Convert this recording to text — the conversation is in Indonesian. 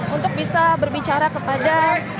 untuk bisa berbicara kepada